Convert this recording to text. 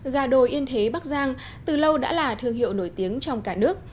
gà đồi yên thế bắc giang từ lâu đã là thương hiệu nổi tiếng trong cả nước